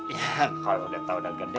ya kalau udah tau udah gede